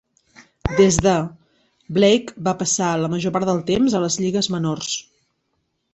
Des de -, Blake va passar la major part del temps a les lligues menors.